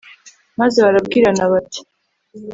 maze barabwirana bati